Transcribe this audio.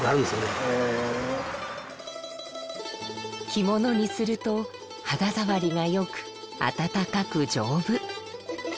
着物にすると肌触りがよく温かく丈夫。